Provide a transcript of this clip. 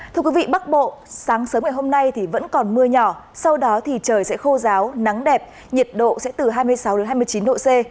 thưa quý vị bắc bộ sáng sớm ngày hôm nay thì vẫn còn mưa nhỏ sau đó thì trời sẽ khô ráo nắng đẹp nhiệt độ sẽ từ hai mươi sáu hai mươi chín độ c